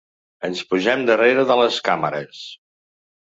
Ens posem darrere de les càmeres.